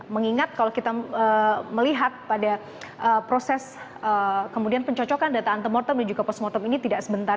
mengingat kalau kita melihat pada proses kemudian pencocokan data antemortem dan juga postmortem ini tidak sebentar